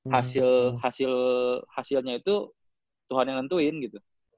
hasil hasil hasilnya itu tuhan yang nentuin gitu